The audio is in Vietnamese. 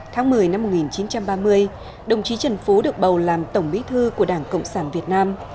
tháng một mươi năm một nghìn chín trăm ba mươi đồng chí trần phú được bầu làm tổng bí thư của đảng cộng sản việt nam